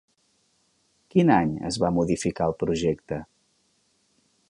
Quin any es va modificar el projecte?